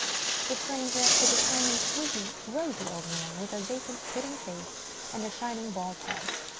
The stranger is a tiny, sleepy, rosy old man, with a vacant pudding face, and a shining bald head.